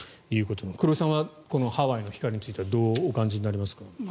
黒井さんはこのハワイの光についてはどうお感じになりますか？